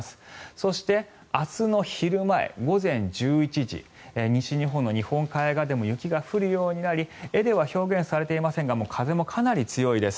そして明日の昼前、午前１１時西日本の日本海側でも雪が降るようになり絵では表現されていませんが風もかなり強いです。